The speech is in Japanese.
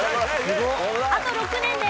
あと６年です。